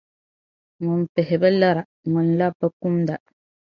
Ŋun pihi bi lara, ŋun labi bi kumda.